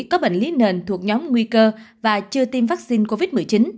có bệnh lý nền thuộc nhóm nguy cơ và chưa tiêm vaccine covid một mươi chín